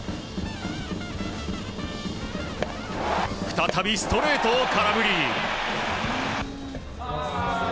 再びストレートを空振り。